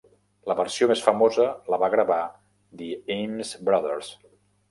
La versió més famosa la va gravar The Ames Brothers.